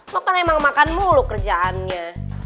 maka memang makan mulu kerjaannya